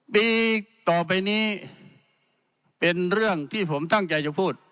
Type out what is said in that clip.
ปีต่อไปนี้เป็นเรื่องที่ผมตั้งใจจะพูด